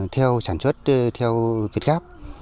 theo sản xuất theo tuyệt gáp